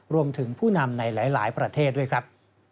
ผู้นำในหลายประเทศด้วยครับ